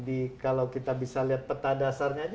di kalau kita bisa lihat peta dasarnya aja